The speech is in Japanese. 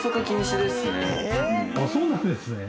あっそうなんですね。